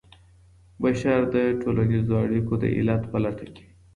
بشر د ټولنيزو اړيکو د علت په لټه کي وي.